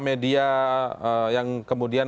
media yang kemudian